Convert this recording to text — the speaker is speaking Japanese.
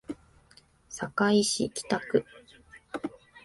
堺市北区